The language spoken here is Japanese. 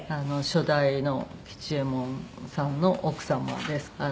初代の吉右衛門さんの奥様です。